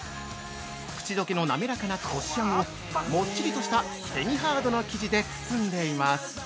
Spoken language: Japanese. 口どけの滑らかなこしあんをもっちりとしたセミハードの生地で包んでいます。